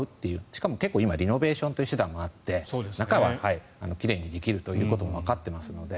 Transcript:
しかも今、リノベーションという手段もあって中は奇麗にできるということもわかっていますので。